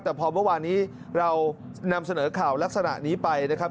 แต่พอเมื่อวานี้เรานำเสนอข่าวลักษณะนี้ไปนะครับ